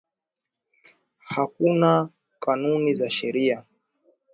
Hakuna kanuni za sheria